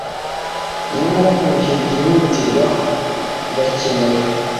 nyamara mu bihe byihutirwa birakenewe